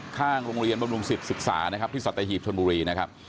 ข้างโรงเรียนบำรุงศิษย์ศึกษานะครับที่สัตหีบชนบุรีนะครับ